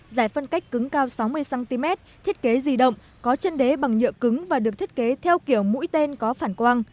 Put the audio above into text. giải phân cách cứng cao sáu mươi cm thiết kế di động có chân đế bằng nhựa cứng và được thiết kế theo kiểu mũi tên có phản quang